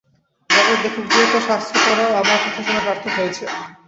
জগৎ দেখুক যে, তোর শাস্ত্র পড়া ও আমার কথা শোনা সার্থক হয়েছে।